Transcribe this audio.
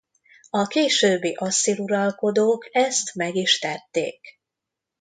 A későbbi asszír uralkodók ezt meg is tették.